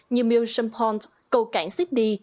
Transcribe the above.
như milchamp pond cầu cảng sydney